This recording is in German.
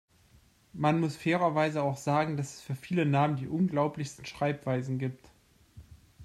Man muss fairerweise auch sagen, dass es für viele Namen die unglaublichsten Schreibweisen gibt.